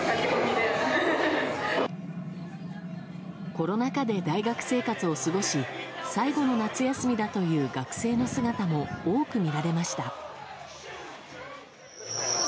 コロナ禍で大学生活を過ごし最後の夏休みだという学生の姿も多く見られました。